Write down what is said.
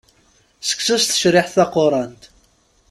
Seksu s tecriḥt taqurant.